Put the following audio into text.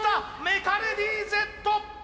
メカレディーＺ！